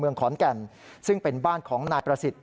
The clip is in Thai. เมืองขอนแก่นซึ่งเป็นบ้านของนายประสิทธิ